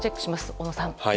小野さん。